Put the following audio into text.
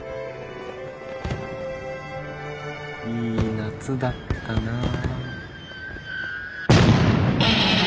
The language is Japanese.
いい夏だったなぁ。